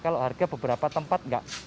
kalau harga beberapa tempat nggak